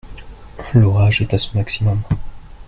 L'orage est à son maximum.